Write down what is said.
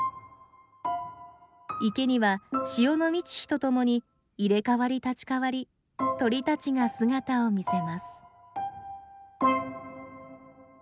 池には潮の満ち干とともに入れ代わり立ち代わり鳥たちが姿を見せます。